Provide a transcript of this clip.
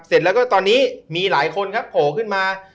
เสร็จแล้วก็ตอนนี้มีหลายคนครับโผล่ขึ้นมา